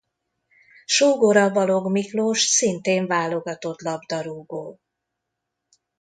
Sógora Balogh Miklós szintén válogatott labdarúgó.